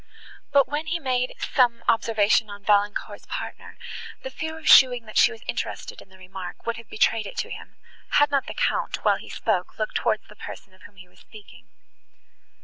But, when he made some observation on Valancourt's partner, the fear of showing that she was interested in the remark, would have betrayed it to him, had not the Count, while he spoke, looked towards the person of whom he was speaking.